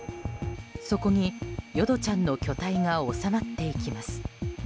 そこに淀ちゃんの巨体が収まっていきます。